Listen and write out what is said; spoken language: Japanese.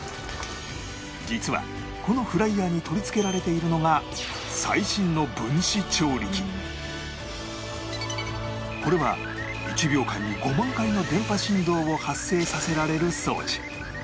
実はこのフライヤーに取り付けられているのが最新のこれは１秒間に５万回の電波振動を発生させられる装置